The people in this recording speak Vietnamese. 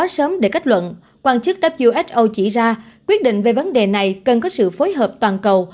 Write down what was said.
sớm để kết luận quan chức who chỉ ra quyết định về vấn đề này cần có sự phối hợp toàn cầu